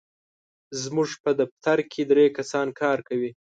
زموږ په دفتر کې درې کسان کار کوي.